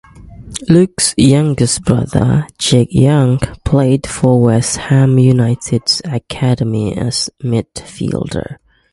Luke's youngest brother, Jake Young, played for West Ham United's academy as a midfielder.